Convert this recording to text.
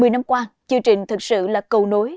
một mươi năm qua chương trình thực sự là cầu nối